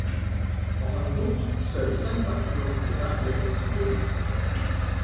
En fin de compte, seuls cinq partisans des Barclay sont élus.